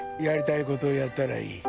やりたいことやったらいい。